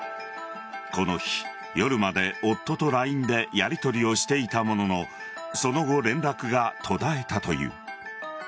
この日、夜まで夫とＬＩＮＥでやりとりをしていたもののその後、連絡が途絶えたという。